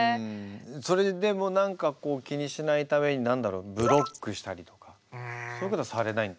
それでも何かこう気にしないためにブロックしたりとかそういうことはされない？